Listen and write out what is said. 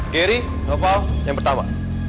kiri noval yang pertama